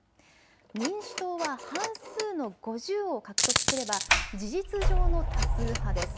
民主党は半数の５０を獲得すれば事実上の多数派です。